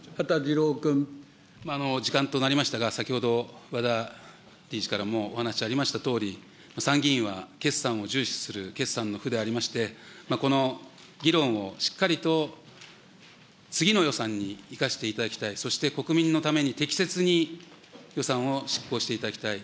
時間となりましたが、先ほどわだ理事からもお話ありましたとおり、参議院は決算を重視する、決算の府でありまして、この議論をしっかりと次の予算に生かしていただきたい、そして国民のために適切に予算を執行していただきたい。